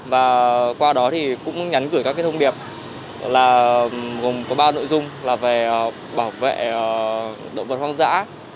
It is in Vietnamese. và qua đó thì cũng nhắn gửi các thông điệp là gồm có ba nội dung là về bảo vệ động vật hoang dã